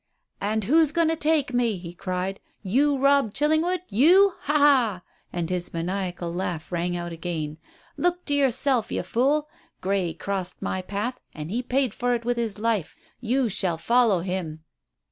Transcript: "And who's going to take me?" he cried. "You, Robb Chillingwood, you? Ha, ha!" and his maniacal laugh rang out again. "Look to yourself, you fool. Grey crossed my path, and he paid for it with his life. You shall follow him."